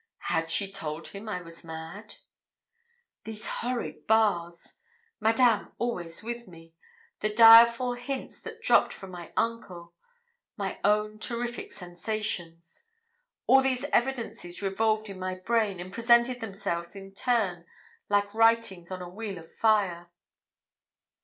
Had she told him I was mad? These horrid bars! Madame always with me! The direful hints that dropt from my uncle! My own terrific sensations! All these evidences revolved in my brain, and presented themselves in turn like writings on a wheel of fire.